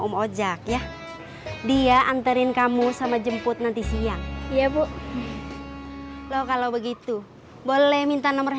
om ojak ya dia anterin kamu sama jemput nanti siang iya bu loh kalau begitu boleh minta nomor